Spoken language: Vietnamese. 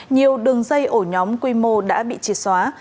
nhiều đường dây ổ nhóm quy mô đã bị triệt xóa